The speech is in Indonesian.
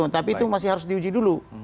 tapi itu masih harus diuji dulu